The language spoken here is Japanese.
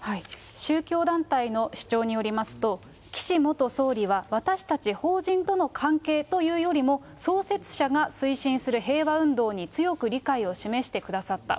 宗教団体の主張によりますと、岸元総理は、私たち法人との関係というよりも、創設者が推進する平和運動に強く理解を示してくださった。